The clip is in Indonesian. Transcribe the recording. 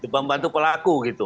pembantu pelaku gitu